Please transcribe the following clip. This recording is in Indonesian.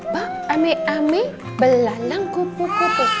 pak ame ame belalang kupu kupu